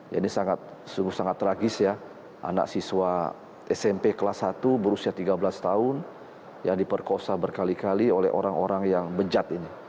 ya ini sangat sungguh sangat tragis ya anak siswa smp kelas satu berusia tiga belas tahun yang diperkosa berkali kali oleh orang orang yang bejat ini